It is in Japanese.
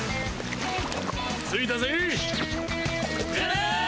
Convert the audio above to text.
着いたぜ。